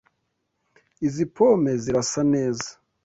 Izi pome zirasa neza.